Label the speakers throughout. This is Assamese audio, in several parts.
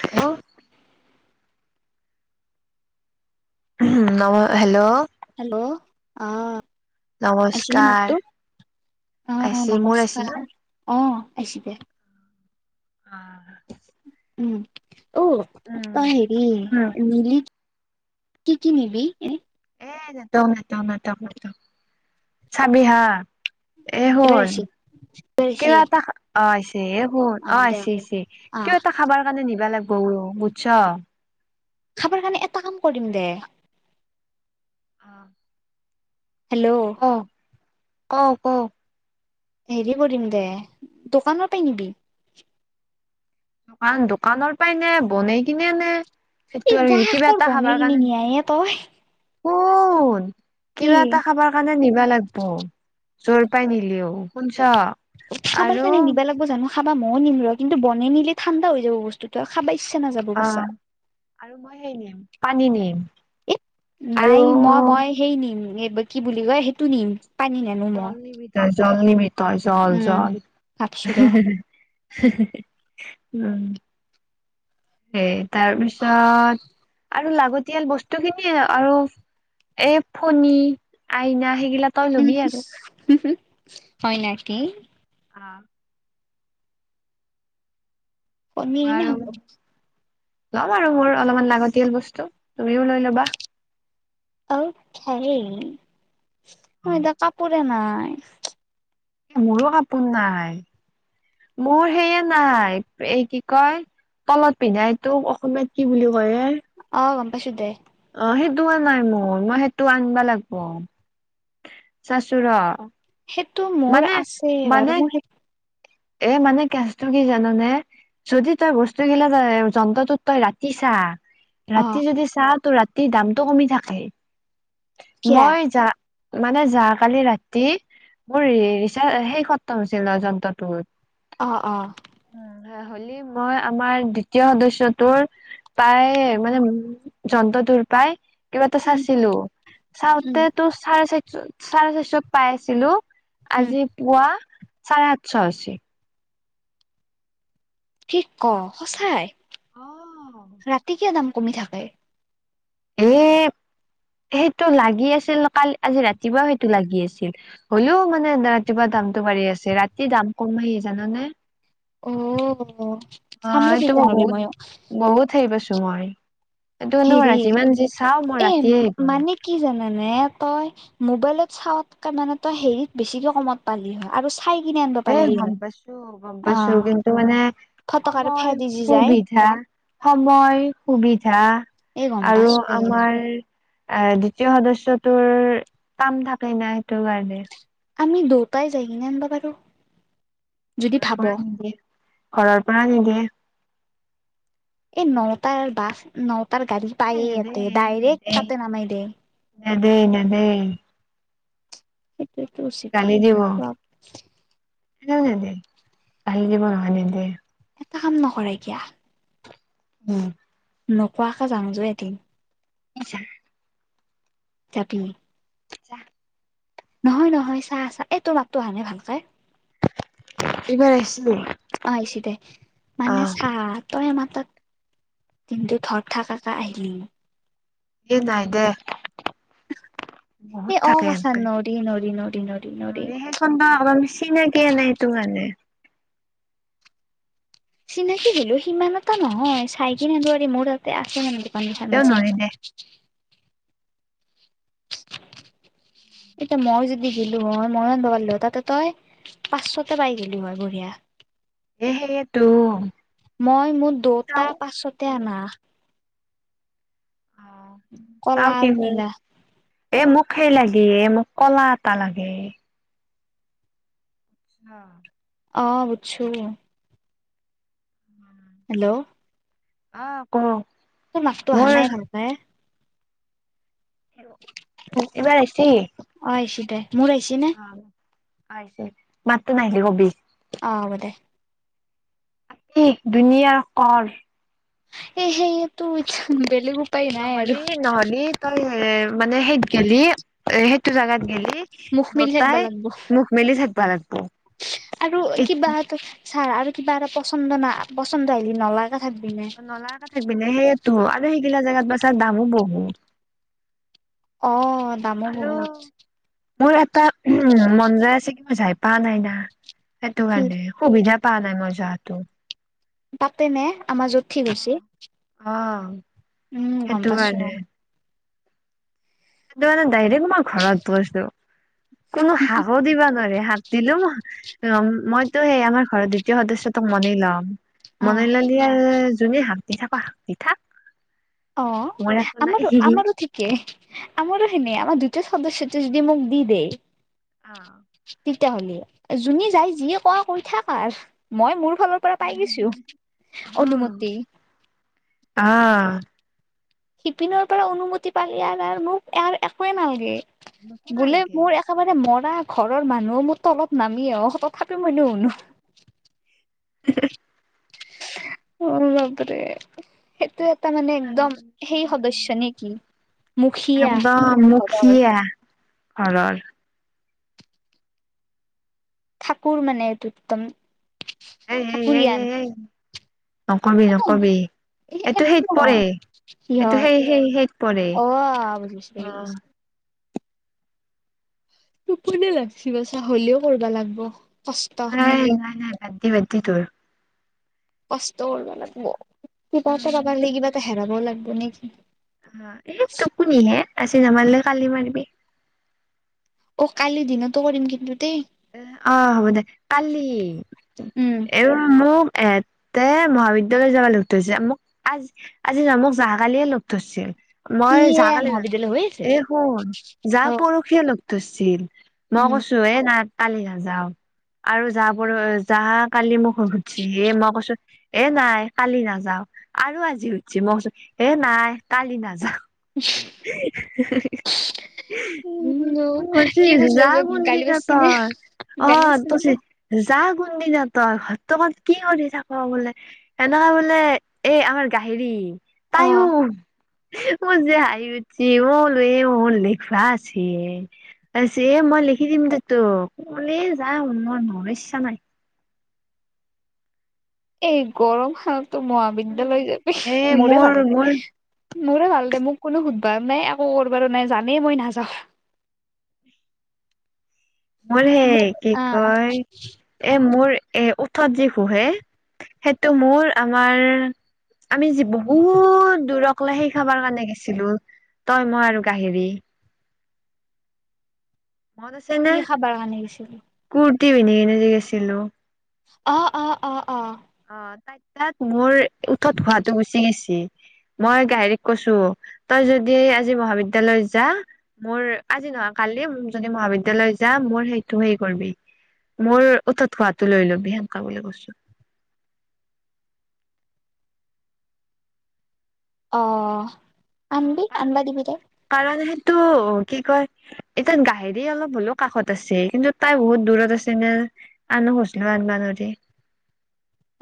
Speaker 1: হেল্ল' ন হেল্ল'।
Speaker 2: হেল্ল' আহ আছিলে
Speaker 1: নমস্কাৰ
Speaker 2: মাতটো আহ
Speaker 1: আহিছে মোৰ আহিছে ন
Speaker 2: নমস্কাৰ অ আহিবা
Speaker 1: অ
Speaker 2: উম অ ত
Speaker 1: উম
Speaker 2: হেৰি
Speaker 1: উম
Speaker 2: নল কি কি নিবি এ
Speaker 1: এ নাট নম নেতম ন চাবি হা। এ
Speaker 2: এইবাৰ
Speaker 1: হল
Speaker 2: আহিছে এইবাৰ আহিছে
Speaker 1: কিবা এটা আহ। বোৰ অ
Speaker 2: দে
Speaker 1: আহিছে
Speaker 2: আকৌ
Speaker 1: আহিছে কিয়
Speaker 2: আহ
Speaker 1: এটা খাবাৰ কাৰণে নিবা লাগিবৌ বুজছ।
Speaker 2: খাবৰ কাৰণে এটা কাম কৰিম দে
Speaker 1: অ।
Speaker 2: হেল্ল'।
Speaker 1: ক ক
Speaker 2: হেৰি কৰিম দে দোকানৰ পৰা নিবি
Speaker 1: দোকান দোকানৰ পৰাই নে বনাই কিনে আনে।
Speaker 2: ই
Speaker 1: সেইটো আৰু
Speaker 2: যা
Speaker 1: কি কিবা
Speaker 2: কৰ
Speaker 1: এটা
Speaker 2: বনাই
Speaker 1: খাবাৰ
Speaker 2: কিনি
Speaker 1: কাৰণে।
Speaker 2: নিয়ায়ে তই
Speaker 1: শুন
Speaker 2: কি
Speaker 1: কিবা এটা খাবাৰ কাৰণে নিবা লাগিব। যৰ পৰা নিলেও, শুনছ
Speaker 2: খাবাৰ
Speaker 1: আৰু
Speaker 2: কাৰণে নিবা লাগব জানো খাবা ময় নিম ৰ, কিন্তু বন নিলে ঠাণ্ডা হৈ যাব বস্তুতটো আৰু খাব। ইচা নাযাব
Speaker 1: অ
Speaker 2: কছা।
Speaker 1: আৰু সেই নিম পানী নিম। আৰু
Speaker 2: নাই মই মই সেই নিম এই কি বুলি কয় সেইটো নিম। পানী নানো মই
Speaker 1: জল নিবি তই জল নিবি তই জল
Speaker 2: উম
Speaker 1: জল
Speaker 2: ভাবছো ৰ
Speaker 1: উম সেই তাৰপিছত আৰু লাগতিয়াল বস্তু খিনিয়ে আৰু এ ফণী আইনা সেইগিলা তই ল'বি আৰু
Speaker 2: হয় নাকি?
Speaker 1: অ
Speaker 2: কণী
Speaker 1: মই
Speaker 2: নিলে
Speaker 1: আৰু
Speaker 2: হব।
Speaker 1: ল'ম আৰু মোৰ অলপমান লাগতিয়াল বস্তু তুমিও লৈ ল'বা
Speaker 2: অকে মই এতিয়া কাপোৰে নাই
Speaker 1: মোৰো কাপোৰ নাই মোৰ সেয়ে নাই এই কি কয় তলত পিন্ধাই তোক অসমীয়াত কি বুলি কয় এ
Speaker 2: অ গম পাইছোঁ দে
Speaker 1: অ সেইটো হ নাই মোৰ মই সেইটো আনিবা লাগিব। চাচুৰা
Speaker 2: সেইটো মোৰ আছে বাৰু মোৰ সেই
Speaker 1: এ মানে কেচটো কি জাননে, যদি তই বস্তু কিলা তই যন্ত্ৰটোত তই ৰাখি চা
Speaker 2: অ
Speaker 1: ৰাতি যদি চা তো ৰাতিৰ দামতটো কমি থাকে।
Speaker 2: কিয়া
Speaker 1: মই যা মানে যা কালি ৰাতি মোৰ ৰিচা সেই খতম হৈছিল ন যন্ত্ৰটোৰ
Speaker 2: অ অ
Speaker 1: হলি মই আমাৰ দ্বিতীয় সদস্যাটোৰ প্ৰায় মানে যন্ত্ৰ তুৰ পাই কিবা এটা
Speaker 2: উম
Speaker 1: চাইছিলো।
Speaker 2: উম
Speaker 1: চাওঁতে তো চাৰে চাৰশ চাৰে চাৰিশত পাই আছিলো
Speaker 2: উম
Speaker 1: আজি পুৱা চাৰে আঠশ হৈছে।
Speaker 2: কি ক সঁচাই,
Speaker 1: অ'।
Speaker 2: ৰাতি কিয় দাম কমি থাকে।
Speaker 1: এই সেইটো লাগি আছিল কাল আজি ৰাতিপুৱাও সেইটো লাগি আছিল হ'লেও মানে ৰাতিপুৱা দামটো আ ৰাতি দাম কম আহি জানা নে
Speaker 2: অ
Speaker 1: অ
Speaker 2: চাম ৰ
Speaker 1: এইটো
Speaker 2: তেতিয়া
Speaker 1: মই
Speaker 2: নহ'লে
Speaker 1: বহুত
Speaker 2: ময়ো
Speaker 1: বহুত সেই পাইছো মই। এইটো নোৱাৰা
Speaker 2: হেৰি
Speaker 1: যিমান যি চাওঁ মই
Speaker 2: এ
Speaker 1: ৰাতিয়ে হে কৰো।
Speaker 2: কি মানে তই মোবাইলত চাকে মানে তই হেৰিত বেছিকে কমত পালি হয় আৰু চাই কিনে আনিব
Speaker 1: এই
Speaker 2: পাৰিলি
Speaker 1: গম
Speaker 2: হয়
Speaker 1: পাইছো গম পাইছো
Speaker 2: অ
Speaker 1: কিন্তু মানে
Speaker 2: ফটক আৰু ফে
Speaker 1: সময়
Speaker 2: দি যি যায়
Speaker 1: সুবিধা সময় সুবিধা
Speaker 2: এই গম
Speaker 1: আৰু
Speaker 2: পাইছো এ
Speaker 1: আমাৰ এ দ্বিতীয় সদস্যটোৰ কাম থাকে না সেইটো কাৰণে।
Speaker 2: আমি দুয়টাই যাই কিনে আনিবা বাৰু
Speaker 1: ঘৰৰ পৰা নিদিয়ে, ঘৰৰ পৰা নিদিয়ে।
Speaker 2: এই নটাৰ বাচ নটা। তাৰ গাড়ী
Speaker 1: এ
Speaker 2: পায়ে
Speaker 1: নেদে
Speaker 2: ইয়াতে ডাইৰেক্ট
Speaker 1: নেদে
Speaker 2: তাতে নামাই দে
Speaker 1: নেদে নেদে
Speaker 2: সেইটো চিপ ছাপ
Speaker 1: এনে দে বাহি যাব নহলে দে
Speaker 2: এটা কাম নকৰে কিয়া।
Speaker 1: উম
Speaker 2: নোকোৱাকে জাং জ এদিন।
Speaker 1: নিচা
Speaker 2: জাবি
Speaker 1: পিজ্জা
Speaker 2: নহয় নহয় চা চা এই তোৰ মাতটো অহা নাই ভালকে
Speaker 1: এইবাৰ আহিছিলো
Speaker 2: অ আইচি দে মানে চাহ তই মাক কিন্তু ধৰ থকা কে আহিলি
Speaker 1: এ নাই দে বহুত
Speaker 2: এই অ
Speaker 1: থাকে
Speaker 2: বাচা
Speaker 1: এনেকে।
Speaker 2: নৰি নৰি নৰি নৰি
Speaker 1: ন
Speaker 2: নৰি
Speaker 1: সেইখন আাৰি চিনাকিয়ে নাইটো কাৰণে।
Speaker 2: চিনাকি দিলো সিমান এটা নহয় চাই কিনে দোৱাৰি মোৰ তাতে নে পণী শাৰ
Speaker 1: হ'লেও
Speaker 2: ম চি
Speaker 1: নৰি দে [unintelligible]
Speaker 2: এতিয়া মই যদি গিলো হই মই আনবা পাৰলো হয় তাতে তই পাঁচশতে পাই গলো হয় বঢ়িয়া।
Speaker 1: এহেটো
Speaker 2: মই মোৰ দুওতা পাছতে
Speaker 1: কৰো
Speaker 2: আনা
Speaker 1: অ চাও কি
Speaker 2: কলাৰ
Speaker 1: কৰো
Speaker 2: নীলা
Speaker 1: এ মোক সেই লাগে এ মোক কলা এটা লাগে। হা
Speaker 2: অ বুজিছোঁ হেল্ল'
Speaker 1: অ ক
Speaker 2: মাত টো অহা
Speaker 1: মোৰ
Speaker 2: নাই ভালকে।
Speaker 1: এইবাৰ আহিছি
Speaker 2: অ আহিছি দে মোৰ আহিছেনে
Speaker 1: আছ মাতটো নাহিলে কবি।
Speaker 2: অহ হব দে
Speaker 1: দুনীয়াৰ কৰ
Speaker 2: এহেয়েটো ইচ্ছা বেলেগ উপ উপায় নাই আৰু
Speaker 1: নহলি নহলি তই এ মানে সেইত গেলি এ সেইটো জেগাত গেলি
Speaker 2: মুখ মিলি থাকিব
Speaker 1: দতাই
Speaker 2: লাগব
Speaker 1: মুখ মেলি থাকি
Speaker 2: আৰু কিবা এ ছাৰ আৰু কিবা এটা পচন্দ না পচন্দ আহিলি নলা
Speaker 1: নলাে থাকিবিনে সেইটো আৰু সেইগিলা জেগাত বা ছাৰ দামো বহুত
Speaker 2: অ দামো
Speaker 1: আৰু
Speaker 2: বহুত
Speaker 1: মোৰ এটা উ মন যায় আছে কি মই যাই পোৱা নাই না সেইটো
Speaker 2: কি
Speaker 1: কাৰণে সুবিধা পা নাই মজাটো।
Speaker 2: তাতেনে আমাৰ যত ঠিক হৈচি
Speaker 1: অ
Speaker 2: উম গম
Speaker 1: সেইটো
Speaker 2: পাইছো
Speaker 1: সটো মানে ডাইৰেক্ মই ঘৰত গৈছো, কোনো হাহও দিবা নোৱাৰে শাক দিলো মইতো সেই আমাৰ ঘৰৰ দ্বিতীয় সদস্য তোক মানি লম।
Speaker 2: অ
Speaker 1: মন ললি আৰু যোনি হাঁগ দি থাক হাঁগ দি থাক।
Speaker 2: অ
Speaker 1: মই একো নাই
Speaker 2: আমাৰ আমাৰ ঠিকে, আমাৰ সেনে আমাৰ দু সদস্যটো যদি মোক দি দেই
Speaker 1: অ
Speaker 2: তেতিয়া হ'লে যোনী যাই যিয় কোৱা কৈ থাক আৰ মই মোৰ ফালৰ পৰা পাই গৈছো
Speaker 1: অ
Speaker 2: অনুমতি।
Speaker 1: অ
Speaker 2: শিপিনৰ পৰা অনুমতি পালি আৰু মোক ই একোৱে নালাগে। বোলে
Speaker 1: নুশুনালকে
Speaker 2: মোৰ একেবাৰে মন না ঘৰৰ মানুহো মোৰ তলত নামি আহ তথাপি মই নুশুনো
Speaker 1: [unintelligible]
Speaker 2: অ বাপৰে সেইটো তাৰ মানে একদম সেই সদস্য নেকি।
Speaker 1: একদম মুখিয়া ঘৰৰ
Speaker 2: ঠাকুৰ মানে এইটো একদম।
Speaker 1: এই এই এই
Speaker 2: ঠাকুৰীয়ান
Speaker 1: এই এই নকবি
Speaker 2: একো
Speaker 1: নকবি
Speaker 2: নহয়
Speaker 1: এইটো
Speaker 2: একো
Speaker 1: সেইত পৰে
Speaker 2: নহয় সিহঁত
Speaker 1: এইটো সেই সেই সেইত পৰে
Speaker 2: অ বুজিছো
Speaker 1: অ
Speaker 2: বুজিছো টোপনিয়ে লাগছে বাচা হ'লেও কৰিবা লাগিব
Speaker 1: নাই নাই নাই বাদ দে বাদ দে তৰ
Speaker 2: কষ্ট কৰিব লাগিব কিবা এটা পাবাৰ
Speaker 1: উম
Speaker 2: লাগি কিবা এটা হেৰাব লাগব নেকি
Speaker 1: হা এই টোপনিহে আজি নামাৰিলে কালি মাৰিবি
Speaker 2: অ কালিৰ দিনতো কৰিম কিন্তু দেই
Speaker 1: অ হ'ব দে কালি
Speaker 2: উম
Speaker 1: এ মোক এতে মহাবিদ্যালয় যাব লগ ধৰিছে মোক আজি আজি য মোক যোৱা কালিয়ে লগ ধৰছে
Speaker 2: কি
Speaker 1: মই যোৱা
Speaker 2: এ
Speaker 1: কালি ত
Speaker 2: মহাবিদ্যালয় হৈ আছে
Speaker 1: এ শুন যা
Speaker 2: অ
Speaker 1: পৰখিয়ে লগ ধৰছিল মই
Speaker 2: উম
Speaker 1: কৈছো এ না কালি নাযাও আৰু য প যোৱা কালি মোক সুধছে হে মই কৈছো এ নাই কালি নাযাও আৰু আজি সুধছে মই কৈছো এ নাই কালি নাযাও সি হু হু হু হো উম কৈছে
Speaker 2: কি কৈছিলো
Speaker 1: যা
Speaker 2: যে গালি
Speaker 1: কোনদিনা
Speaker 2: পাৰছি নে
Speaker 1: তই অ
Speaker 2: গালি পাৰছি নে
Speaker 1: তছে
Speaker 2: তোক
Speaker 1: যাও কোন দিনা তই ঘৰত কি কৰি থাক বোলে সেনেকুৱা বোলে এই আমাৰ গাহৰি
Speaker 2: অ
Speaker 1: তাইও ও যাই সি সুধছে বল এই মোৰ লিখা আছে তাৰ ছে মই লিখি দিম দে তোক কলে যাম মই ম ইচ্ছা নাই
Speaker 2: এই গৰম হালতো
Speaker 1: উম
Speaker 2: মহাবিদ্যালয় যাবি
Speaker 1: এ
Speaker 2: মোৰে
Speaker 1: মোৰ
Speaker 2: ভাল দে
Speaker 1: মোৰ
Speaker 2: মোৰে ভাল দে মোক কোনো সুধবা নাই একো কৰিবলে নাই জানেই মই নাযাওঁ
Speaker 1: [unintelligible] মোৰ হেই
Speaker 2: মোক
Speaker 1: কি
Speaker 2: আহ
Speaker 1: কয় এ মোৰ এ ত যি শুহে সেইটো মোৰ আমাৰ আমি যি বহুত দূৰক লৈ সেই খাবাৰ কাৰণে গেছিলো তই মই আৰু গাহৰী মন আছে
Speaker 2: কি
Speaker 1: ন
Speaker 2: খাবাৰ কাৰণে গৈছিলো
Speaker 1: কুৰ্তি পিন্ধি কিনে যে গেছিলো
Speaker 2: অ অ অ অ
Speaker 1: অ ত তাত মোৰ উঠত খোৱাতো গুচি গৈছে মই গাহঙৰিক কৈছো তই যদি আজি মহাবিদ্যালয় যা মোৰ আজি নহয় কালি যদি মহাবিদ্যালয় য যাম মোৰ সেইটো হেই কৰিবি মোৰ উঠত খোৱাটো লৈ লবি সেনকা বুলি কৈছো।
Speaker 2: অ আনিবি আনিবা দিব তাই
Speaker 1: টো কি কয় এতিয়া গাহেৰি অলপ হ'লেও কাষত আছে কিন্তু তাই বহুত দূৰত আছে নে আন হচ নো আনিব নিদে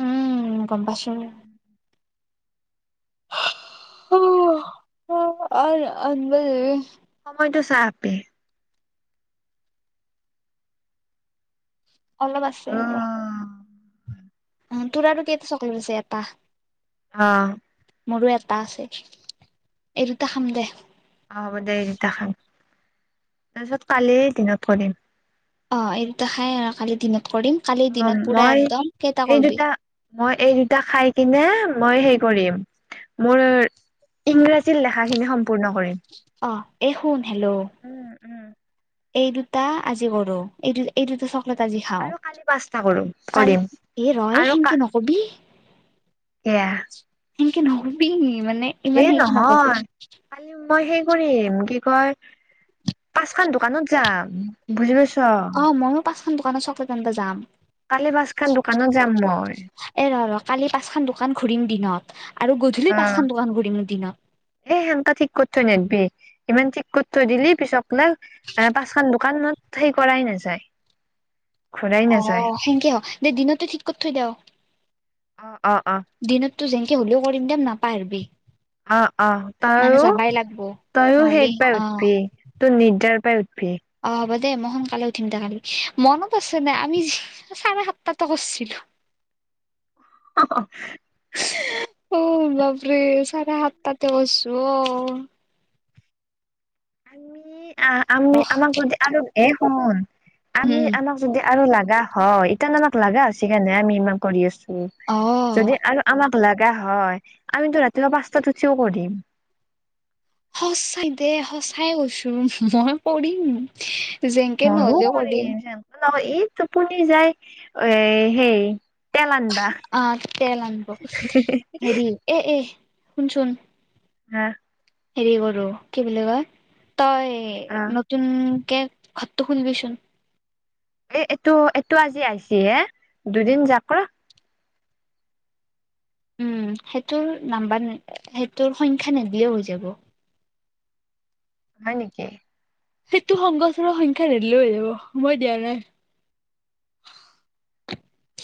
Speaker 2: উম গম পাইছো ৰ আন
Speaker 1: সময়টো চা আপে
Speaker 2: অলপ আছে
Speaker 1: অ',
Speaker 2: অলপ অ তোৰা আৰু কেইটা চকলেট আছে এটা
Speaker 1: অহ
Speaker 2: মোৰো এটা আছে এই দুটা খাম দে।
Speaker 1: অ হ'ব দেই তেতা খাম তাৰপিছত কালি দিনত‌ থৈ‌ দিম।
Speaker 2: অ এই দুটা খাই আৰু কালি দিনত কৰিম কালি
Speaker 1: অ
Speaker 2: দিনত পুৰা
Speaker 1: মই
Speaker 2: একদম কেইটা
Speaker 1: এই
Speaker 2: কৰবি
Speaker 1: দুটা মই এই দুটা খাই কিনে মই সেই কৰিম মোৰ ইংৰাজী লেখাখিনি স ম্পূৰ্ণ কৰিম
Speaker 2: অ এই শুন হেল্ল'
Speaker 1: উম উম।
Speaker 2: এই দুটা আজি কৰো এইটো এই দুটা চ আজি খাও
Speaker 1: আৰু কালি পাঁচটা কৰো
Speaker 2: কালি
Speaker 1: কৰিম
Speaker 2: এ ৰ এ
Speaker 1: আৰু কা
Speaker 2: সেনকে নকবি।
Speaker 1: এয়া
Speaker 2: সেনেকে নকবি মানে ইমান
Speaker 1: এই
Speaker 2: সেইকে নকবি।
Speaker 1: নহয় কালি মই পাচ খন দোকানত যাম বুজি পাইছ
Speaker 2: অ ময়ো পাঁচখন দোকানত চকলেট আনবা যাম।
Speaker 1: কালি পাঁচখন দোকানত যাম মই
Speaker 2: এ ৰ ৰ কালি পাচ খন দোকান ঘুৰিম দিনত। আৰু গধূলি
Speaker 1: অ'।
Speaker 2: পাঁচখন দোকান ঘূৰিম দিনত।
Speaker 1: এ সেনকা ঠিক কত থৈ নেদবি ইমান ঠিক কত থৈ দিলি পিছক পাচ খান দোকানত সেই কৰাই নাই যায়।
Speaker 2: অ সেনকে হ দে দিনতে ঠিক কইৰ থৈ দেও।
Speaker 1: অ অ অ
Speaker 2: দিনতটো যেনেকে হ'লেও কৰিম দেম নাপাহৰবি।
Speaker 1: অ অ
Speaker 2: মানে
Speaker 1: তইও
Speaker 2: যাবাই লাগব
Speaker 1: তইও
Speaker 2: নহ'লে
Speaker 1: সেইত পাই
Speaker 2: অ
Speaker 1: উঠবি তই নিপদাৰ পাই সুইধবি।
Speaker 2: অ। দেই মই সোনকালে উঠিম দে কালি মনত আছে নে আমি চাৰে সাতটাতো কৰিছিলো।
Speaker 1: অহ।
Speaker 2: অ বাপৰে চাৰে সাতাতে কৰছো অ।
Speaker 1: আমি আহ আমি আমাক যদি আৰু এ শুন আমি
Speaker 2: উম
Speaker 1: আমাক যদি আৰু লাগা হয় ইতান আমাক লাগা হৈছি কাৰণে আমি ইমান কৰি আছো
Speaker 2: অ
Speaker 1: যদি আৰু আমাক লগা হয় আমিতো ৰাতিপুৱা পাঁচটাত উঠিও কৰিম।
Speaker 2: সঁচাই দে সঁচাই কৈছো মই পঢ়িম যেনকে নহলেও পঢ়িম।
Speaker 1: নহয় ই টোপনি যায় এ সেই তেল আনবা
Speaker 2: আহ তে আনিব হেৰি এ এ শুনচোন।
Speaker 1: হম।
Speaker 2: হেৰি কৰো কি বুলি কয়
Speaker 1: অ
Speaker 2: তই নতুন এ ঘৰটো শুনিবিচোন
Speaker 1: এ এইটো এইটো আজি আহিছি হে দুদিন যাক ৰ।
Speaker 2: উম সেইটোৰ নাম্বাৰ সেইটোৰ সংখ্যা নেদিলেও হৈ যাব।
Speaker 1: হয় নেকি?
Speaker 2: সেইটো সংগঠনৰ সংখ্যা ধেৰিলেও হৈ যাব মই দিয়া নাই।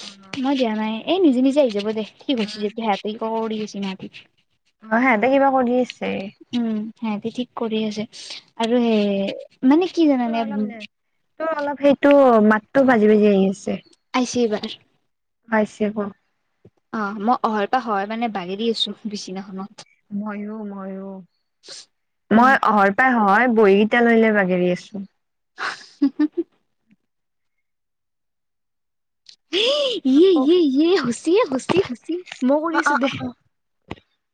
Speaker 1: অ
Speaker 2: মই দিয়া নাই এ নিজে নিজে আহি যাব দে ঠিক হৈছি যদি সেহাতে কিবা কৰি গেছি না কি।
Speaker 1: অ সিহঁতে কিবা কৰি আছে।
Speaker 2: সেহাতে ঠিক কৰি আছে আৰু
Speaker 1: উম
Speaker 2: সেই মানে কি
Speaker 1: তোৰ
Speaker 2: জানানে
Speaker 1: অলপ নে তোৰ অলপ সেইটো মাতটো বাজি বাজি আহি আছে।
Speaker 2: [unintelligible]
Speaker 1: আইছে ক।
Speaker 2: অ মই অহইৰ পৰা সহই মানে বাগেৰি আছো বিছনাখনত।
Speaker 1: মইয়ো মইয়ো মই অহইৰ পৰাই সহয় বহী কেইটা লৈ লৈ বাগেৰি আছো।
Speaker 2: এ ইয়
Speaker 1: আকৌ
Speaker 2: ইয়ে
Speaker 1: কি
Speaker 2: ইয়ে হচিয়ে হচি হচি মই কৰিছো দে।